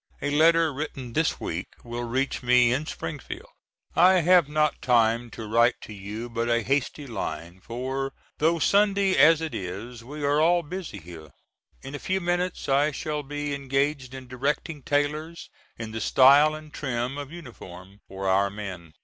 A letter written this week will reach me in Springfield. I have not time to write to you but a hasty line, for, though Sunday as it is, we are all busy here. In a few minutes I shall be engaged in directing tailors in the style and trim of uniform for our men.